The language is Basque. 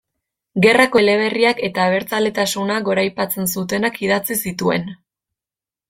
Gerrako eleberriak eta abertzaletasuna goraipatzen zutenak idatzi zituen.